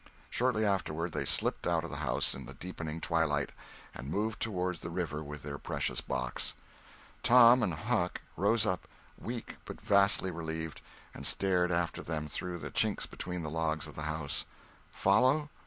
Shortly afterward they slipped out of the house in the deepening twilight, and moved toward the river with their precious box. Tom and Huck rose up, weak but vastly relieved, and stared after them through the chinks between the logs of the house. Follow?